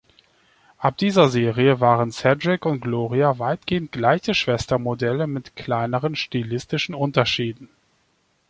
Ab dieser Serie waren Cedric und Gloria weitgehend gleiche Schwestermodelle mit kleineren stilistischen Unterschieden.